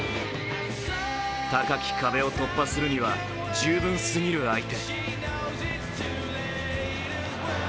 高き壁を突破するには、十分すぎる相手。